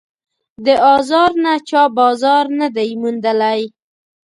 د آزار نه چا بازار نه دی موندلی